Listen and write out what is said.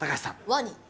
ワニ。